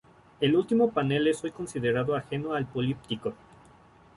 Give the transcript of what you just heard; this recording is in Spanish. El último panel es hoy considerado ajeno al políptico.